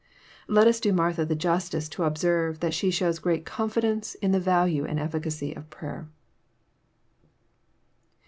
Let as do Martha the Justice to observe that she shows great confidence in the value and efficacy of prayer.